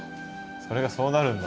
それがそうなるんだ。